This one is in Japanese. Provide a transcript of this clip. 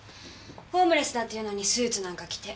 ホームレスだっていうのにスーツなんか着て。